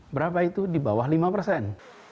berapa itu di bawah lima persen